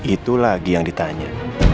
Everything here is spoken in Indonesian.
itu lagi yang ditanya